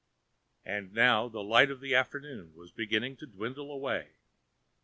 And now the light of the afternoon was beginning to dwindle away.